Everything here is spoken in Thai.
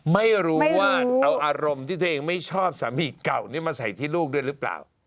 ไม่รู้ว่าเอาอารมณ์ที่ตัวเองไม่ชอบสามีเก่านี้มาใส่ที่ลูกด้วยหรือเปล่า